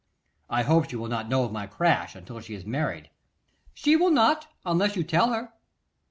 'I hope she will not know of my crash until she has married.' 'She will not, unless you tell her.